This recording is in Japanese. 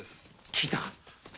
聞いたか？